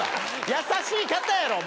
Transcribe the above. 優しい方やろ。